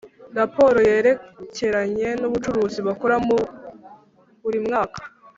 raporo yerekeranye n’ubucuruzi bakora buri mwaka